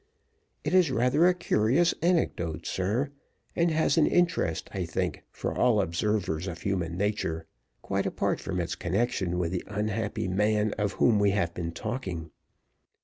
It is rather a curious anecdote, sir, and has an interest, I think, for all observers of human nature quite apart from its connection with the unhappy man of whom we have been talking.